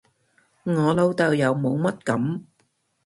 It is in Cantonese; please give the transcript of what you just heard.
我老豆又冇乜噉